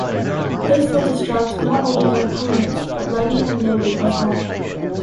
This would distract not only their opponents but Lenny and Lodi as well.